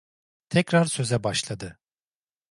Tekrar söze başladı.